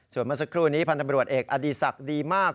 ส่วนเมื่อสักครู่นี้พันธบรวจเอกอดีศักดิ์ดีมาก